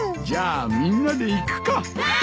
じゃあみんなで行くか！